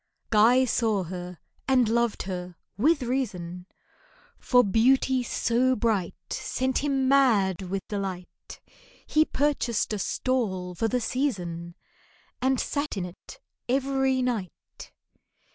GUY saw her, and loved her, with reason, For beauty so bright Sent him mad with delight; He purchased a stall for the season, And sat in it every night.